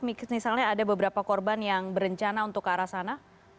misalnya ada beberapa korban yang berencana untuk ke arah sana